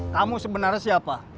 kamu sebenarnya siapa